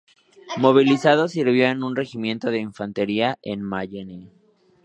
Movilizado, sirvió en un regimiento de infantería en Mayenne.